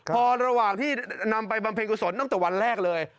พอระหว่างที่นำไปบำเพ็ญกุศลตั้งแต่วันแรกเลย